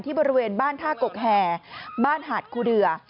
บริเวณบ้านท่ากกแห่บ้านหาดคูเดือ